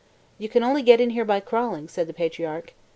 'You can only get in here by crawling,' said the patriarch.